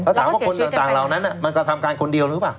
ถามว่าคนต่างเหล่านั้นมันกระทำการคนเดียวหรือเปล่า